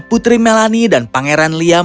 putri melani dan pangeran liam